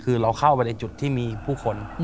คือเราเข้าไปในจุดที่มีผู้คน